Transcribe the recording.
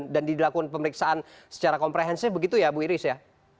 dan dilakukan pemeriksaan secara komprehensif begitu ya bu iris ya